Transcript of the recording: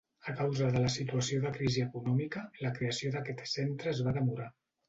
A causa de la situació de crisi econòmica, la creació d'aquest centre es va demorar.